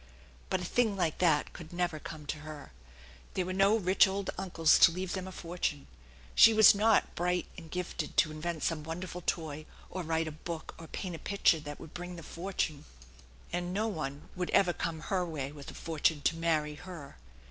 But a thing like that could never come to her. There wsre no rich old uncles to leave them a fortune ; she was not bright and gifted to invent some wonderful toy or write a book or paint a picture that would bring the fortune ; and no one would 1* THE ENCHANTED BARN ever come her way with a fortune to marry her.